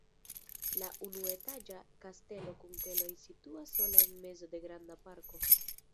La unuetaĝa kastelo kun keloj situas sola en mezo de granda parko.